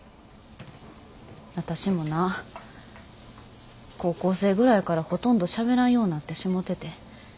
私もな高校生ぐらいからほとんどしゃべらんようになってしもうてて。